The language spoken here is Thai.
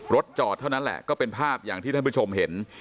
รถจอดเท่านั้นแหละก็เป็นภาพอย่างที่ท่านผู้ชมเห็น